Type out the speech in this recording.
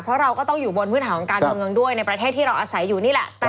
เพราะเราก็ต้องอยู่บนพื้นฐานของการเมืองด้วยในประเทศที่เราอาศัยอยู่นี่แหละ